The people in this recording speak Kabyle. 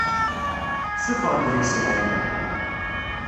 Tessuffeɣ-d deg-s lɛella.